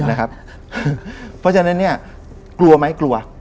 เพราะฉะนั้นกลัวไหมกลัว